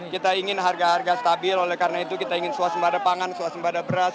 kita ingin harga harga stabil oleh karena itu kita ingin suasembada pangan suasembada beras